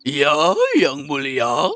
ya yang mulia